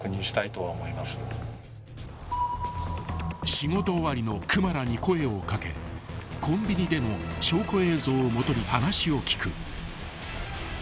［仕事終わりのクマラに声を掛けコンビニでの証拠映像を基に話を聞く］